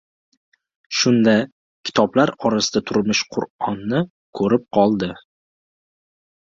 Shunda, kitoblar orasida turmish Qur’onni ko‘rib qoldi.